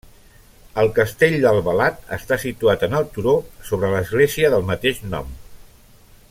El castell d'Albalat, està situat en el turó sobre l'església del mateix nom.